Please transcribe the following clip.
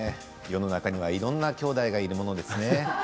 世の中にはいろんな兄弟がいるものですね。